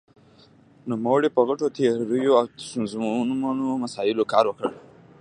نومړې په غټو تیوریو او ستونزمنو مسايلو کار وکړ.